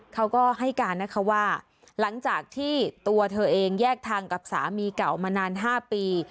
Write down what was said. เขาก็ให้การนะคะว่าหลังจากที่ตัวเธอเองแยกทางกับสามีเก่ามานาน๕ปี